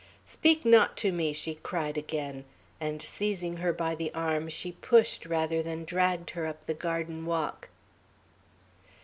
"Speak not to me!" she cried again; and seizing her by the arm, she pushed rather than dragged her up the garden walk.